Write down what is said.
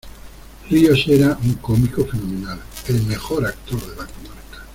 Ríos era un cómico fenomenal, ¡el mejor actor de la comarca!